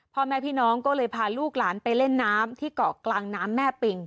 พ่อแม่พี่น้องก็เลยพาลูกหลานไปเล่นน้ำที่เกาะกลางน้ำแม่ปิง